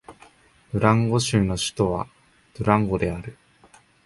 ドゥランゴ州の州都はドゥランゴである